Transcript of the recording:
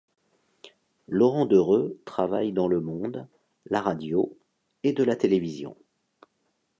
Laurent Dereux travaille dans le monde la radio et de la télévision.